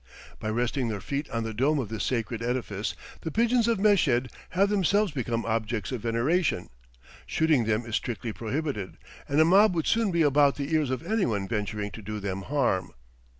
By resting their feet on the dome of this sacred edifice, the pigeons of Meshed have themselves become objects of veneration; shooting them is strictly prohibited, and a mob would soon be about the ears of anyone venturing to do them harm.